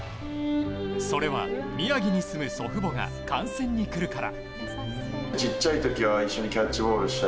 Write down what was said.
それは、宮城に住む祖父母が観戦に来るから。